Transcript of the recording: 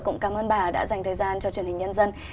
cũng cảm ơn bà đã dành thời gian cho truyền hình nhân dân